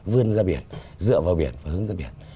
vươn ra biển dựa vào biển và hướng ra biển